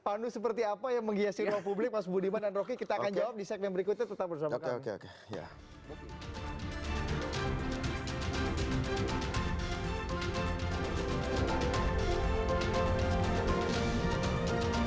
panu seperti apa yang menghiasi ruang publik mas budiman dan rocky kita akan jawab di segmen berikutnya tetap bersama kami